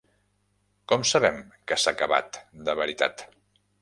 Com sabem que s'ha acabat de veritat?